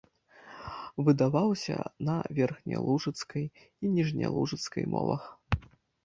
Выдаваўся на верхнялужыцкай і ніжнялужыцкай мовах.